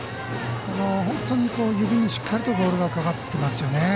本当に指にしっかりとボールがかかってますよね。